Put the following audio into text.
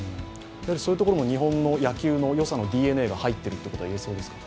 そういうところも日本の野球のよさのＤＮＡが入っていると言えそうですか。